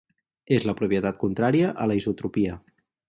És la propietat contrària a la isotropia.